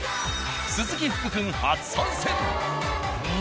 鈴木福くん初参戦！